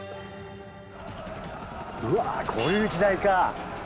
うわこういう時代か。